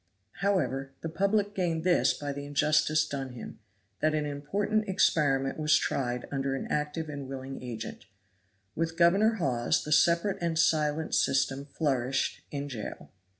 However, the public gained this by the injustice done him that an important experiment was tried under an active and a willing agent. With Governor Hawes the separate and silent system flourished in Jail.